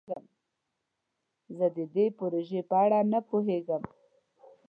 زه د دې پروژې په اړه نه پوهیږم.